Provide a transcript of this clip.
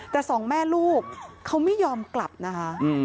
แต่สองแม่ลูกเขาไม่ยอมกลับนะคะ